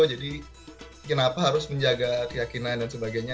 jadi kenapa harus menjaga keyakinan dan sebagainya